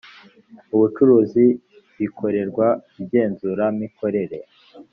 ubucuruzi bikorerwa igenzuramikorere